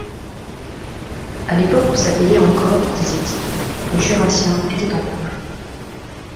à l’époque où ça payait encore disait-il, le Jurassien était en couple